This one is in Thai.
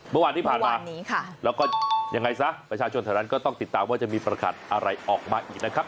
เมื่อวานที่ผ่านมาแล้วก็ยังไงซะประชาชนแถวนั้นก็ต้องติดตามว่าจะมีประกาศอะไรออกมาอีกนะครับ